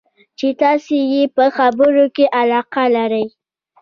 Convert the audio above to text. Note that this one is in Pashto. چې تاسې یې په خبرو کې علاقه لرئ.